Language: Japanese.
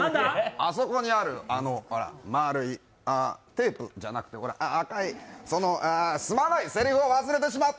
あそこにある、まあるい、テープじゃなくて、赤いその、済まない、せりふを忘れてしまった。